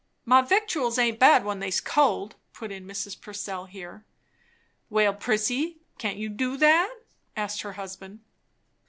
"My victuals aint bad when they's cold," put in Mrs. Purcell here. "Well, Prissy, can't you do that?" asked her husband.